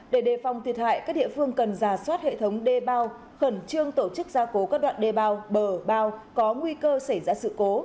để đề phòng thiệt hại các địa phương cần giả soát hệ thống đê bao khẩn trương tổ chức gia cố các đoạn đê bao bờ bao có nguy cơ xảy ra sự cố